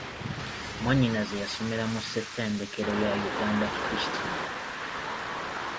Mwannyinaze yasomera mu ssettendekero ya Uganda Christian.